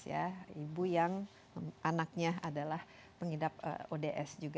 ya ibu yang anaknya adalah pengidap ods juga